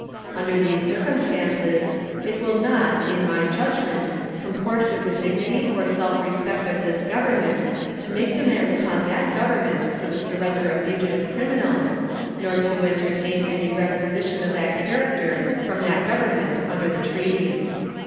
Under these circumstances it will not, in my judgment, comport with the dignity or self respect of this Government to make demands upon that Government for the surrender of fugitive criminals, nor to entertain any requisition of that character from that Government under the treaty.